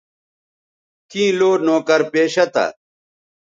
کیں لو نوکر پیشہ تھا